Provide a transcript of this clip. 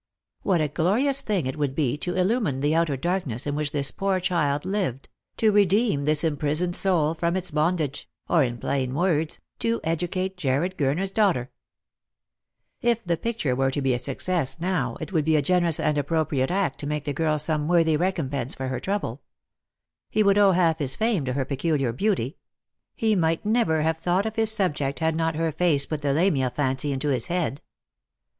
What a glorious thing it would be to illumine the outer darkness in which this poor child lived — to redeem this imprisoned soul from its bondage — or, in plain words, to educate Jarred Gurner's daughter ! If the picture were to be a success, now, it would be a generous and appropriate act to make the girl some worthy recompense for her trouble. He would owe half his fame to her Eeculiar beauty. He might never have thought of his subject ad not her face put the Lamia fancy into his head.